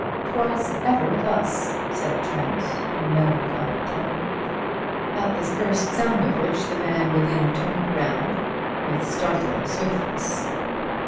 "'Twas ever thus," said Trent in a melancholy tone, at the first sound of which the man within turned round with startling swiftness.